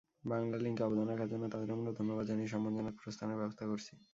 বাংলালিংকে অবদান রাখার জন্য তাঁদের আমরা ধন্যবাদ জানিয়ে সম্মানজনক প্রস্থানের ব্যবস্থা করেছি।